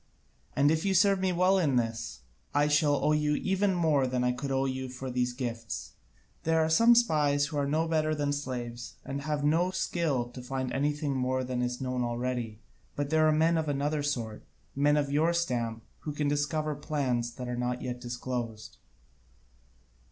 And if you serve me well in this, I shall owe you even more than I could owe you for these gifts. There are some spies who are no better than slaves, and have no skill to find out anything more than is known already, but there are men of another sort, men of your stamp, who can discover plans that are not yet disclosed."